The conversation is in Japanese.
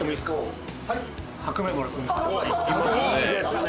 いいですね。